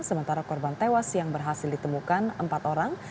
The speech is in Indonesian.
sementara korban tewas yang berhasil ditemukan empat orang